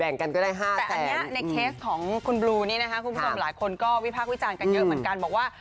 แต่อันนี้ในเคสของคุณบลูนี่นะคะคุณผู้ชมหลายคนก็วิพากษ์วิจารณ์กันเยอะเหมือนกันบอกว่า